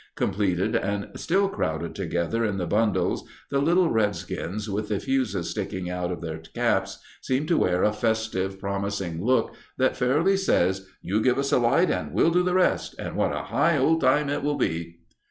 Completed and still crowded together in the bundles, the little redskins, with the fuses sticking out of their caps, seem to wear a festive, promising look that clearly says: "You give us a light, and we'll do the rest. And what a high old time it will be!"